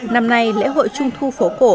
năm nay lễ hội trung thu phố cổ